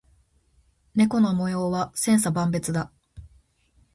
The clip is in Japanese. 猫の模様は千差万別だ。